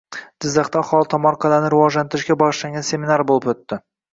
Jizzaxda aholi tomorqalarini rivojlantirishga bag‘ishlangan seminar bo‘lib o‘tdi